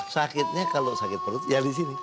sakitnya kalau sakit perut ya disini